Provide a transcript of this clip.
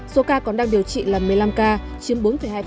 số ca còn đang điều trị là một mươi năm ca chiếm bốn hai